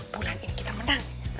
bulan ini kita menang